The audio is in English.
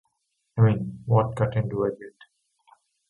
I mean, what curtain do I get?